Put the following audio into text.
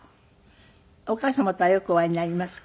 お母様とはよくお会いになりますか？